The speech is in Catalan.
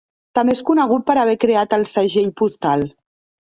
També és conegut per haver creat el segell postal.